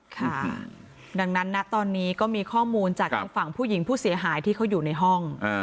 ค่ะดังนั้นนะตอนนี้ก็มีข้อมูลจากทางฝั่งผู้หญิงผู้เสียหายที่เขาอยู่ในห้อง